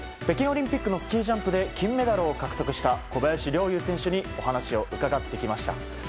北京オリンピックのスキージャンプで金メダルを獲得した小林陵侑選手にお話を伺ってきました。